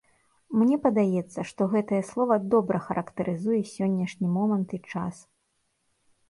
Мне падаецца, што гэтае слова добра характарызуе сённяшні момант і час.